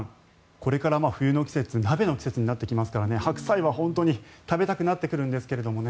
これから冬の季節鍋の季節になってきますから白菜は本当に食べたくなってくるんですがね。